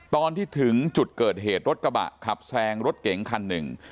ตอนที่ถึงจุดเกิดเหตุรถกระบะขับแซงรถเก๋งคันหนึ่ง